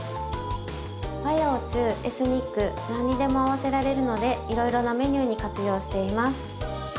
和洋中エスニック何にでも合わせられるのでいろいろなメニューに活用しています。